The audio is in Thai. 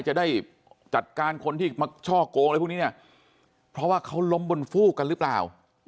จะได้จัดการคนที่มาช่อกงอะไรพวกนี้เนี่ยเพราะว่าเขาล้มบนฟูกกันหรือเปล่า